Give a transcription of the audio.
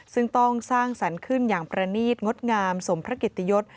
ซึ่งต้องสร้างสันขึ้นอย่างประณีตงดงามสมพระกิจยศ